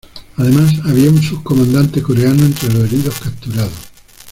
Además había un subcomandante coreano entre los heridos capturados.